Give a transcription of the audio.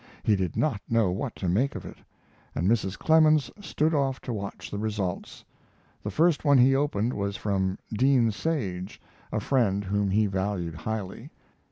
He did not know what to make of it, and Mrs. Clemens stood off to watch the results. The first one he opened was from Dean Sage, a friend whom he valued highly.